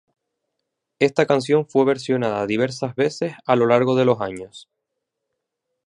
Esta canción fue versionada diversas veces a lo largo de los años.